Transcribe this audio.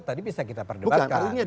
tadi bisa kita perdebatkan